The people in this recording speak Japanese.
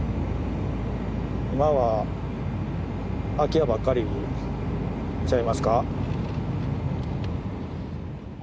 今は空き家ばっかりちゃいますか。